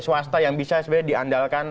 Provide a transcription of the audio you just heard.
swasta yang bisa sebenarnya diandalkan